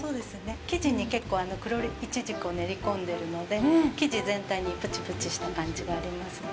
生地に結構、黒イチジクを練り込んでいるので、生地全体にプチプチした感じがあります。